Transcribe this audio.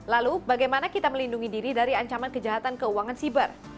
lalu bagaimana kita melindungi diri dari ancaman kejahatan keuangan siber